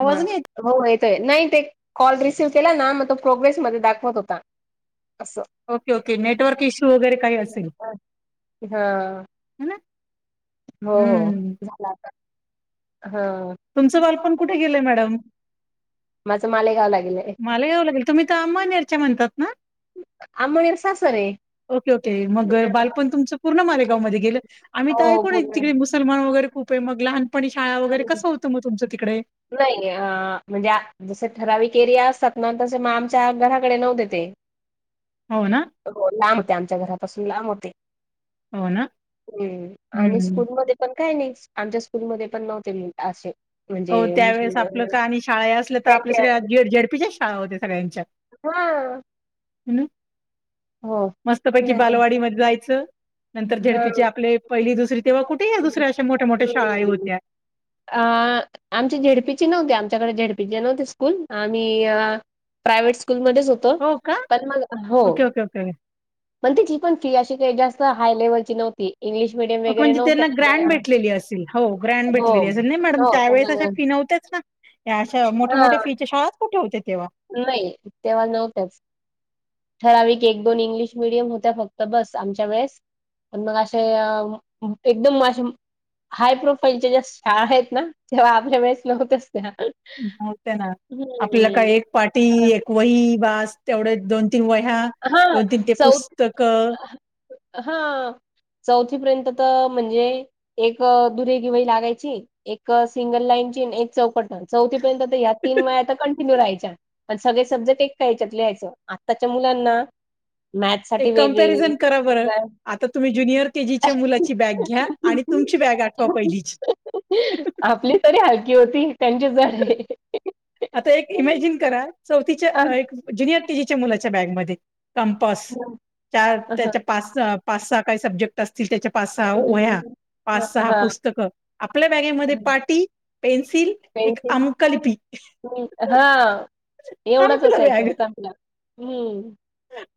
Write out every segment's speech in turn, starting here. आवाज हं नाही येत? हो येतोय नाहीं तो कॉल रिसिव्ह केलां नां मगं तो प्रोग्रेसमध्यें दाखवंत होतां. असं. ओके ओके नेटवर्क इश्यूं वगैरें कांहीं तरी असेल हा नां. हो हो झालं आंता हां. तुमचं बालपण कुठे गेलंय मॅडम? माझं मालेगांव लां गेलंय. मालेगांव लां गेले तुम्हीं तरं अंबळनेरच्यां म्हणतांत नां. आमनेर सासर आहे ओके ओके मंग बालंप पणं तुमंच पूर्ण मालेगांवमध्यें गेलं आम्हीं हो तरं ऐकुंण पूर्ण तिकडे मुसलमांन वगैरें खूंप आहे मगं लहांन पणं शाळां वगैरें कसं होतं मंग तुमचं तिकडे? नाहीं अं म्हणजे जसे ठराविक एरिया असतांत नां तसे मंग आमच्यां घरांकडे नव्हते ते. हो ना? हो लांब होते आमच्यां घरांपासून लांब होते. हो ना? हम्मं आणि हम्म. स्कूंल मध्यें पणं कायं नाहीं आमच्यां स्कूंलमंध्ये नव्हते मुलं असे. हो त्यांवेेळेस आपलं म्हणजे कां आणि शाळां ही असल्यां तरं आपल्यां त्याच्या सगळ्यां झेडपीच्यां शाळां होत्यां सगळ्यांच्या. हां. हं मस्तं पैकी नाही बालवांडी मध्यें जायचं. नंतर हा. झेडपीची आपले पहिली दुसरी तेव्हां कुठेही दुसऱ्यां अशा मोठ्यां मोठ्यां शाळां हम्म. होत्यां. अ आमची झेडपीची नव्हती, आमच्याकडे झेडपीची नव्हती स्कूल आणि अ प्रायव्हेट स्कूलमध्येच होतो हो का? पण मग हो ओके ओके ओके पण तिची पण फी अशी काही जास्त काय हाय लेव्हलची नव्हती. इंग्लिश मिडियम अ वगैरे म्हणजे त्यांना ग्रँड नव्हत्या भेटलेली असेल, हो ग्रँड हो भेटलेली असेल. नाही मॅडम हो त्यावेळेस अशा फी नव्ह त्याच ना. या अशा मोठ्या हा मोठ्या फींच्या शाळाच कुठे होत्या तेव्हा? नाही तेव्हा नव्हत्याच. ठराविक एक दोन इंग्लिश मिडियम होत्या फक्त बस आमच्या वेळेस. पण मग अशे अ एकदम म अशे हाय प्रोफाईलच्या ज्या शाळा आहेत ना, तेव्हा आपल्या वेळेच नव्हत्याच त्या. नव्हत्या ना. आपल्याला काय हम्म. एक पाटी, अ, एक वही बास तेवढेच दोन तीन वह्या, दोन तीन हां. ते चौथ पुस्तकं हां चौथीपर्यंत तर म्हणजे एक दुरेघी वही लागायची, एक सिंगल लाईनची आणि एक चौकट चौथीपर्यंत तर ह्या तीन वह्या तर कंटिन्यू राहायच्या. पण सगळे सब्जेक्ट एकट्या याच्यात लिहायचं आ आताच्या मुलांना एक मॅथसाठी वेगळी वही कम्पॅरिझन करा बरं [unintelligible] आता तुम्ही ज्युनियर केजीच्या मुलाची बॅग घ्या आणि तुमची बॅग आठवा पहिलीची. आपली तरी हलकी होती त्यांची जडाय. [unintelligible] आता एक इमॅजिन करा, चौथीच्या अ एक ज्युनियर केजीच्या मुलाच्या बॅगमध्ये कंपास च्या त्याच्या पास पास सहा काही सब्जे क्ट असतील त्याच्या पाच सहा वह्या, पाच सहा पुस्तकं. आपल्या बॅगेमध्ये पाटी पेन्सिल, एक अंकलिपी. हम्म हां एवढंच संपलं बॅग असायचं [unintelligible] हम्म.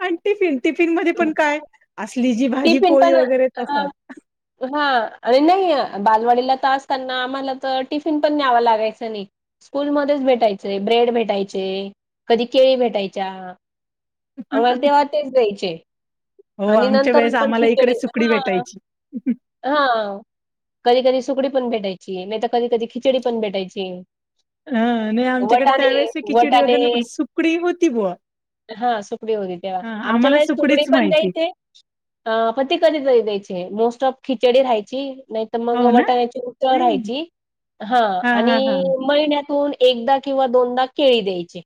आणि टिफिन, टिफिन मध्येपण काय असली जी भाजी टिफिन पोळी वगैरे तसाच [unintelligible] हां आणि नाही बालवाडीला तर असताना आम्हाला तर टिफिन पण द्यावा लागायचं नाही. स्कूलमध्येच भेटायचे. ब्रेड भेटायचे, कधी केळी भेटायच्या. आम्हाला तेव्हा तेच द्यायचे हो आणि आमच्या नंतर वेळेस पण आम्हाला इकडे खिचडी सुकडी मग भेटायची हां. कधी कधी सुकडी पण भेटायची, नाहीतर कधी कधी खिचडी पण भेटायची. ह नाही आमच्याकडे वटाणे त्यावेेळेस खिचडी वटाणे. वगैरे नाही, पण सुकडी होती बुवा हा सुकडी होती तेव्हा. हा आमच्या आम्हाला वळेस सुकडी सुकडीच पण माहिती द्यायचे आं पण कधी तरी द्यायचे. मोस्ट ऑफ खिचडी राहायची, नाय तर मग हो ना वटाण्याची उसळ राहायची. हा हा हा आणि महिन्यातून एकदा किंवा दोनदा केळी द्यायचे.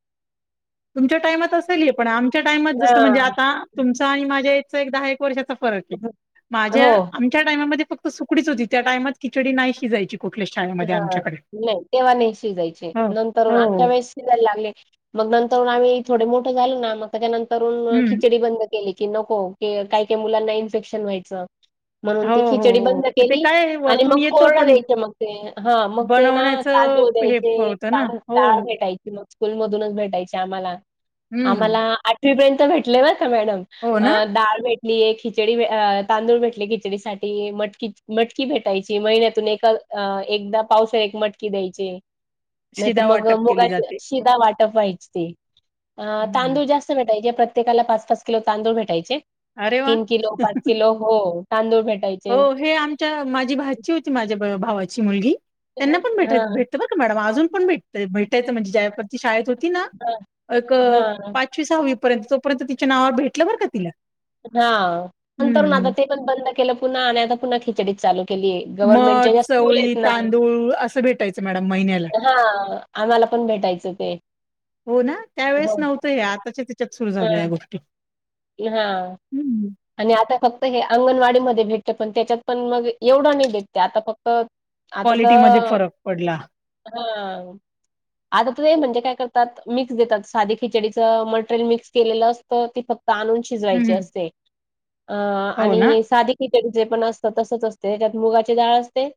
तुमच्या टायमात असेल हे पण आमच्या टाइमात जसं म्हणजे हा. आता तुमचं आणि माझ्या एजचा एक दहा एक वर्षाचा फरक. माझ्या हो. आमच्या टायमामध्ये फक्त सुकडीच होती, त्या टायमात खिचडी नाही शिजायची कुठल्या शाळेत. हां नाही तेव्हा नाही शिजायची. हो नंतर हो आमच्या वेळेस शिजायला लागले‌. मग नंतर आम्ही थोडं मोठं झालो ना मग त्याच्या नंतर म हम्म खिचडी बंद केले की नको की काही काही मुलांना इन्फेक्शन व्हायचं. म्हणून हो ती हो खिचडी हो बंद मग ते केली काय आणि वरतून मग येतो कोरडं पण द्यायचं मग. अं हां मग ते ना बनवण्याचं तांदूळ हे द्यायचे, होतं ना [unintelligible] हो डाळ भेट टायची मग स्कूल मधूनच भेटायची आम्हाला आम्हाला. हम्म आम्हाला आठवी पर्यंत भेटले बरं का मॅडम. हो ना अं डाळ भेट [unintelligible] एक खिचडी अ तांदूळ भेटले खिचडीसाठी, मटकी मटकी भेटायची महिन्यातून एका अ एकदा पावसाळी एक मटकी द्यायचे. नाहीतर शिदा मग वाटप केली मुगाचे जाते शिधा वाटप व्हायची ते. हम्म तांदूळ जास्त प्रत्येकाला पाच पाच किलो तांदूळ भेटायचे. अरे वा तीन किलो पाच किलो हो. तांदूळ भेटायचे. हो हे आमच्या माझी भाची होती, माझ्या बरोबर भावाची मुलगी. त्यांना पण भेटाय हां. भेटत बरं का मॅडम, अजून पण भेटत. भेटायचं म्हणजे ज्यावेळेस शाळेत होती ना एक हां. पाचवी सहावी पर्यंत तोपर्यंत, तिच्या नावावर भेटलं बर का तिला. हा नंतरून आता हम्म ते पण बंद केलं, पुन्हा आणि आता पुन्हा खिचडी चालू केली मठ गव्हर्मेंटच्या ज्या स्कूल चवळी आहेत ना. तांदूळ असं भेटायचं मॅडम महिन्याला हा. आम्हाला पण भेटायचं ते. हो ना त्यावेेळेस हो. नव्हतं हे. आताच्या त्याच्यात सुरू झाल्या या हां. गोष्टी. हां. हं. आणि आता फक्त हे अंगणवाडी मध्ये भेटते, पण त्याच्यात पण मग एवढं नाही भेटते. आता फक्त आता क्वालिटीमध्ये तर, फरक पडला हां. आता तर ते म्हणजे काय करतात. मिक्स देतात साधे खिचडीच मटेरियल मिक्स केलेलं. तर ती फक्त आणून हं, शिजवायची हं. असते. अ हो आणि ना साधे खिचडी जे पण असत तसच असते. त्यात मुगाची डाळ असते.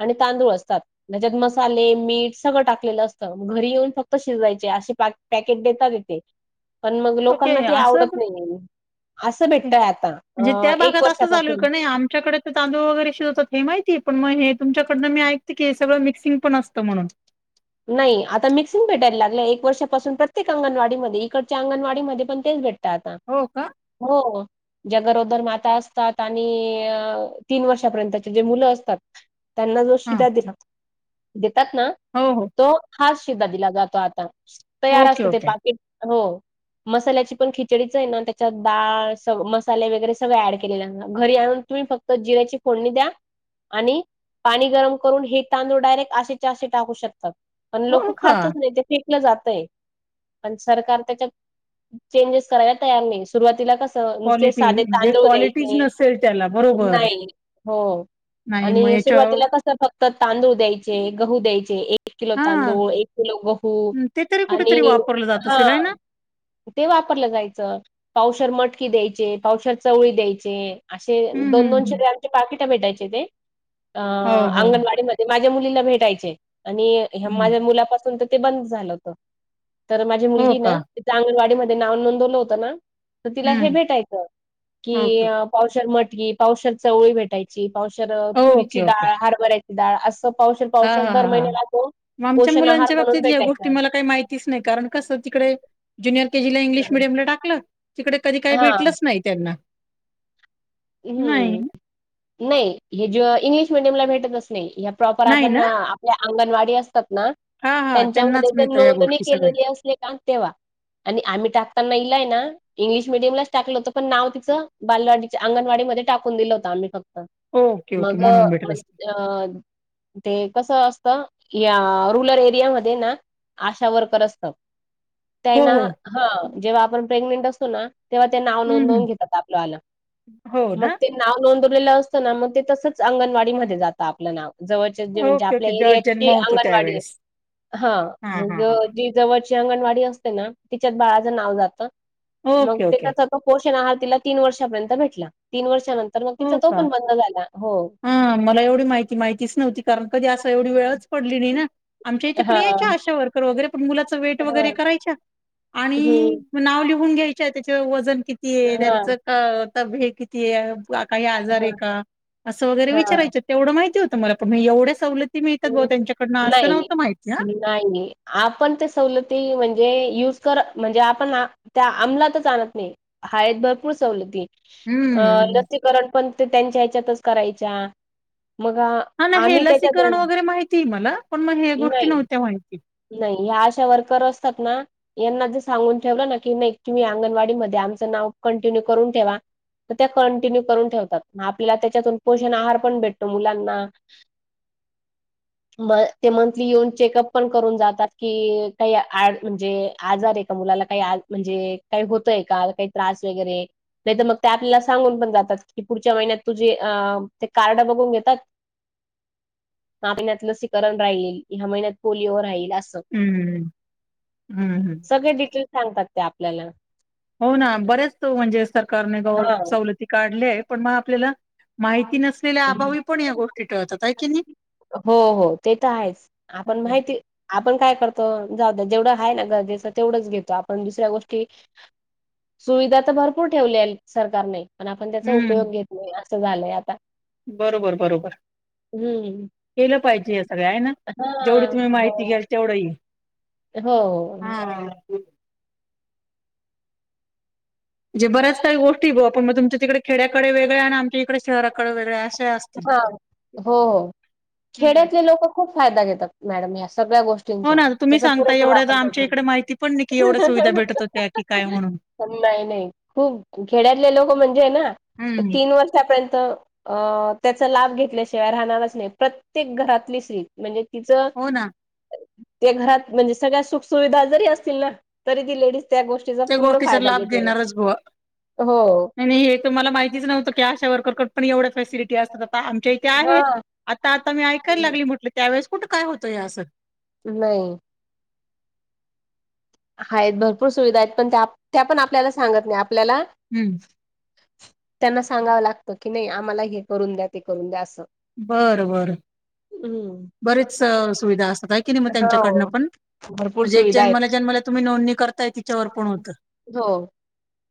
आणि तांदूळ असत. त्याच्यात मसाले मीठ सगळं टाकलेलं असतं. मग घरी येऊन फक्त शिजवायचे असे पॅकेट देतात तेथे. पण मग ओके लोकांना ते आवडत असं नाही असं. आता म्हणजे अ त्या एक भागात असं चालूय वर्षापासून का नाही आमच्याकडे. तांदू वगैरे शिजवतात हे माहिती आहे. पण मग हे तुमच्याकडनं मी ऐकते की, हे सगळं मिक्सिंग पण असतं म्हणून. नाही आता मिक्सिंग भेटायला लागलं एक वर्षापासून, प्रत्येक अंगणवाडी मध्ये इकडच्या अंगणवाडी मध्ये पण तेच भेटत आता. हो का. हो. ज्या गरोदर माता असतात आणि तीन वर्षापर्यंतचे जे मुलं असतात त्यांना जो हा शिधा दिला देतात, देतात ना. हो. तो हाच शिधा दिला जातो आता, तयार ओके असत ते ओके पाकीट हो. मसाल्याची पण खिचडीच आहे ना त्याच्यात डाळ, मसाले वगैरे सगळे ऍड केलेले, घरी आणून तुम्ही फक्त फक्त जिऱ्याची फोडणी द्या. आणि पाणी गरम करून हे तांदूळ डायरेक्ट असेचे असे टाकू शकता. पण लोक हो का खातच नाही ते. जातय पण सरकार त्याच्यात चेंजेस करायला तयार नाही. सुरुवातीला कसं नुसते क्वालिटी साधे म्हणजे तांदुळ क्वालिटीच द्यायचे नसेल त्याला बरोबर नाही. हो. नाही मग आणि याच्या सुरुवातीला कस फक्त तांदूळ द्यायचे, गहू द्यायचे एक किलो हा तांदूळ एक किलो गहू ते तरी आणि कुठेतरी वापरलं जात हा. असेल आहे ना ते वापरलं जायचं. पावशर मटकी द्यायचे, पावशर चवळी द्यायचे. असे हम्म दोन दोनशे हम्म ग्रॅमचे पाकिट भेटायचे ते अ हो हो अंगणवाडीमध्ये. ते माझ्या मुलीला भेटायचे. आणि हं. माझ्या मुलापासून तर ते बंद झालं. तर माझी हो मुलगी का ना तिचं अंगणवाडी मध्ये नाव नोंदवलं होतं ना तर तिला हे हम्म भेटायचं की ओके ओके पावशर मटकी, पावशर चवळी भेटायची. पावशर तुरीची ओके ओके डाळ, हरभऱ्याची डाळ असं पावशर पावशर दर महिन्याला तो ग आमच्या पोषण आहार मुलांच्या म्हणून बाबतीत या गोष्टी भेटायचा. मला काही माहितीच नाही. कारण कसं तिकडे ज्युनियर केजीला इंग्लिश मिडियमला टाकलं. तिकडे कधी काही हा भेटलच नाही त्यांना. नाही हम्म नाही हे जो इंग्लिश मिडियमला भेटतच नाही हे आप प्रॉपर नाही आपण ना आपल्या अंगणवाडी असतात ना हा हा त्यांच्यामध्ये त्यांनाच जर मिळतं या नोंदणी गोष्टी सगळ्या केलेली असली का तेव्हा. आणि आम्ही टाकताना इलाय ना इंग्लिश मिडियमलाच टाकलं होतं पण नाव तिचं बालवाडी अंगणवाडी मध्ये टाकून दिलं होतं आम्ही फक्त ओके ओके मग म्हणून भेटत असते म्ह अं ते कसं असतं या रुरल एरियामध्ये ना आशा वर्कर असतं. हो त्यायना हो हा जेव्हा आपण प्रेग्नेंट असतो, ना तेव्हा ते नाव हम्म नोंदवून घेतात आपल्यावालं. हो मग ना ते नाव नोंदवलेलं असत ना, मग ते तसच अंगणवाडी मध्ये जात आपलं नाव जवळ तेंची म्हणजे ओके आपल्या ओके जेव्हा जन्म एरीयाची होतो अंगणवाडीय त्यावेेळेस हा मंग जी जवळची अंगणवाडी असते ना तिच्यात बाळाचं नाव जातं. मग ओके ते ओके त्याचं पोषण आहार तिला तीन वर्षापर्यंत भेटला तीन वर्षानंतर मग तिचा हो तो का पण बंद झाला म हा मला एवढी माहिती माहितीच नव्हती कारण कधी असं एवढी वेळच पडली नाही ना. आमच्या इथे पण हा यायच्या अशा वर्कर वगैरे पण मुलाचं वेट हा वगैरे करायच्या. आणि हम्म नाव लिहून घ्यायच्या, त्याचं वजन कितीय हा त्यांचं अ त हे कितीय, काही हा आजारीय का, असं वगैरे हा विचारायच्या तेवढं माहिती होतं मला पण मी एवढ्या सवलती मिळतात बुवा त्यांच्याकडनं असं नव्हतं माहिती आ. नाही नाही, आपण ते सवलती म्हणजे युज कर म्हणजे आपणा त्या आमलातच आणत नाही हायेत भरपूर सवलती. अं हम्म लसीकरण पण ते त्यांच्या हच्यातच करायच्या मग हा ना हे आम्ही त्याच्यात लसीकरण वगैरे माहितीय मला पण मग ह्या नाही, गोष्टी नव्हत्या माहिती. नाही ह्या अशा वर्कर असतात ना यांना जे सांगून ठेवलं ना की नाही तुम्ही अंगणवाडी मध्ये आमचं नाव कंटिन्यू करून ठेवा तर त्या कंटिन्यू करून ठेवतात. आपल्याला त्याच्यातून पोषण आहार पण भेटतो मुलांना. [inaudible] म ते मंथली येऊन चेकअप पण करून जातात की काही ॲज म्हणजे, आजारय का मुलाला काही ॲज म्हणजे काही होतंय का काही त्रास वगैरे नाही तर मग ते आपल्याला सांगून पण जातात. की पुढच्या महिन्यात तुझे अं ते कार्ड बघून घेतात. [unintelligible] ह्या महिन्यात लसीकरण राहिल, ह्या महिन्यात पोलिओ राहील असं, हम्म हम्म सगळे डिटेल सांगतात ते आपल्याला. हो ना बऱ्याच म्हणजे सरकारने गवर हा सवलती काढल्यात पण मग आपल्याला माहिती नसलेल्या अभावी पण या गोष्टी टळतात, हाय की नाही हो हो, ते तर आहेच आपण माहिती आपण काय करतो. जाऊदे जेवढं आहे ना गरजेचं तेवढंच घेतो. आपण दुसऱ्या गोष्टी सोइधा तर भरपूर ठेवलीय सरकारने पण आपण त्याचा उपयोग हम्म घेत नाही, असं झालंय आता बरोबर, बरोबर. हं. केलं पाहिजे हे सगळं हाय ना जेवढी हां. तुम्ही माहिती हो. घ्याल तेवढं येईल, हो, हो. हा म्हणजे बऱ्याच काही गोष्टी बुवा, पण मग तुमच्या तिकडे खेड्याकडे वेगळ्या, आणि आमच्या इकडे शहराकडे वेगळ्या अशे हा. हो हो, हम्म. खेड्यातले लोकं खूप फायदा घेतात. मॅडम या सगळ्या गोष्टी हो ना तुम्ही [unintelligible] सांगता पुरेपूर एवढ्या तर वापर आमच्या करतो. इकडे माहिती पण नाही की एवढ्या सुविधा भेटत होत्या की काय म्हणून. नाही नाही खूप खेड्यातले लोक म्हणजेय ना हम्म. तीन वर्षापर्यंत अं त्याचा लाभ घेतल्याशिवाय राहणारच नाही. प्रत्येक घरातली स्त्री म्हणजे, तिचं हो ना. ते घरात म्हणजे सगळ्या सुख सुुविधा जरी असतील ना. तरी ती लेडीज त्या गोष्टी चा त्या पूर्ण गोष्टीचा फायदा लाभ घेते. घेणारच बुवा हो. नाही नाही हे तुम्हाला माहितीच नव्हतं. की अशा वर्करकड पण एवढ्या फॅसिलिटी असतात. आता आमच्या इथे हा आहेत. आता आता मी ऐकायला लागली, म्हटलं त्यावेळेस कुठं काय होतं हे असं. नाही. हायेत. भरपूर सुविधायेत. पण त्या, त्या पण आपल्याला सागत नाही आपल्याला. हम्म. त्यांना सांगावं लागत की, नाही आम्हाला हे करून द्या. ते करून द्या. असं. बर बर हम्म बरीच सुविधा असतात. का नाही म त्यांच्याकडन हो पण. भरपूर म्हणजे सुविधा आहेत जन्मल्या जन्मल्या तुम्ही नोंदणी करताय, तिच्यावर पण होत. हो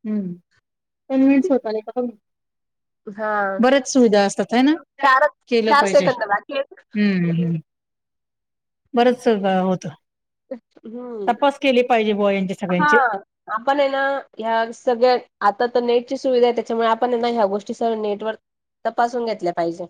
हम्म, कन्वन्स होता आणि हा बर्याच सुविधा असतात. हय ना. चार केलं चार पाहिजे, सेकंद बाकी आहेत हम्मम् बरंच सहकार होतं. तपास केले हम्म पाहिजे बुवा यांचे सगळ्यांचे. हा. आपणे ना ह्या सगळ्या आता त नेटची सुविधाय त्याच्यामुळे आपणे ना ह्या गोष्टी सगळ नेटवर तपासून घेतल्या पाहिजे.